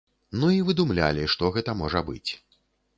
Ну і выдумлялі, што гэта можа быць.